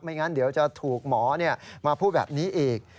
งั้นเดี๋ยวจะถูกหมอมาพูดแบบนี้อีก